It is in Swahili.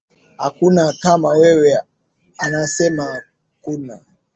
Hakuna kama wewe nasema hakuna.